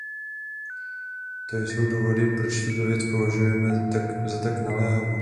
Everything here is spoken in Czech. To jsou důvody, proč tuto věc považujemeza tak naléhavou.